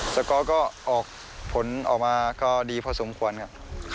สก๊อตก็ออกผลออกมาก็ดีพอสมควรครับ